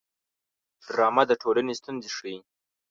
ډرامه د ټولنې ستونزې ښيي